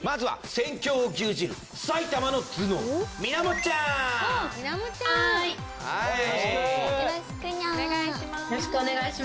はい。